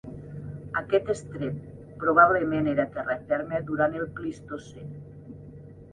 Aquest estret probablement era terra ferma durant el Plistocè.